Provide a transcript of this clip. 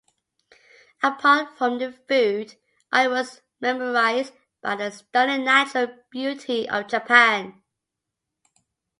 Apart from the food, I was mesmerized by the stunning natural beauty of Japan.